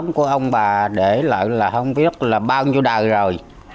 của ông bà để lại là không biết là bao nhiêu đời rồi